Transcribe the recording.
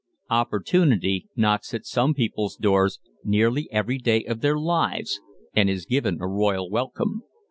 Opportunity knocks at some people's doors nearly every day of their lives and is given a royal welcome.